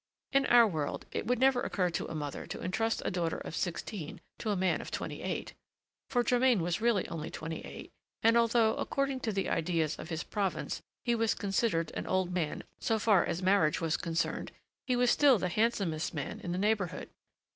In our world, it would never occur to a mother to entrust a daughter of sixteen to a man of twenty eight! for Germain was really only twenty eight, and although, according to the ideas of his province, he was considered an old man so far as marriage was concerned, he was still the handsomest man in the neighborhood.